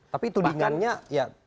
tapi tudingannya ya